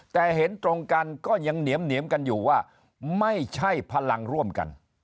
แต่เห็นตรงกันก็ยังเหนียมกันอยู่ว่าไม่ใช่พลังร่วมกัน